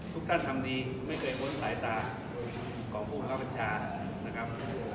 ทุกท่านทำดีไม่เคยพ้นสายตาของผู้เข้าบัญชานะครับ